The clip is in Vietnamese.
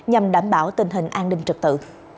để đảm bảo tình hình an ninh trực tự